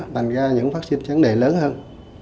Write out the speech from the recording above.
làm ra những phát sinh sẵn đề lớn hơn